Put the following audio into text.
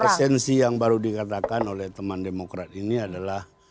saya kira yang esensi yang baru dikatakan oleh teman demokrat ini adalah